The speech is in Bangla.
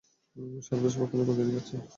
সাত বছর পর খালিদ মদীনায় যাচ্ছেন।